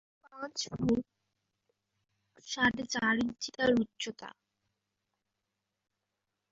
পাঁচ ফুট সাড়ে চার ইঞ্চি তার উচ্চতা।